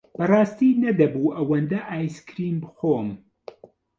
بەڕاستی نەدەبوو ئەوەندە ئایسکرێم بخۆم.